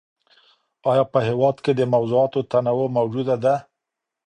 آيا په هېواد کي د موضوعاتو تنوع موجوده ده؟